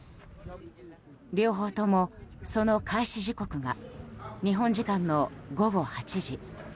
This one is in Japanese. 両方とも、その開始時刻が日本時間の午後８時。